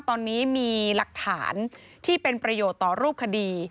ตอนนี้มีหลักฐานที่เป็นประโยชน์ต่อรูปคดี